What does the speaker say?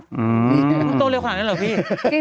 ต้องโตเร็วขนาดนั้นหรอพี่